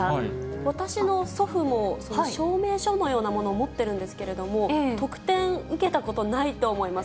私の祖父も、証明書のようなものを持ってるんですけれども、特典受けたことないと思います。